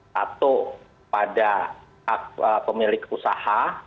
satu pada pemilik usaha